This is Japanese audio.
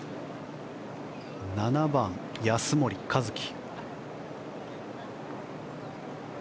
７番、安森一貴。